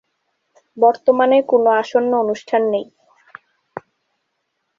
বর্তমানে কোনা আসন্ন অনুষ্ঠান নেই